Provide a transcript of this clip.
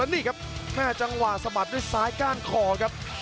แล้วนี่ครับ๕จังหวะสมัดด้วยซ้ายก้านคอครับ